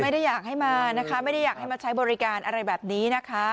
ไม่ได้อยากให้มานะคะไม่ได้อยากให้มาใช้บริการอะไรแบบนี้นะคะ